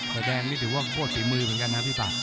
ไฟแดงนี่ถือว่าโคตรฝีมือเหมือนกันนะพี่ตา